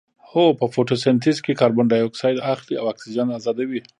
هو په فتوسنتیز کې کاربن ډای اکسایډ اخلي او اکسیجن ازادوي